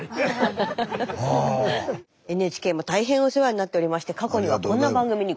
ＮＨＫも大変お世話になっておりまして過去にはこんな番組にご出演も。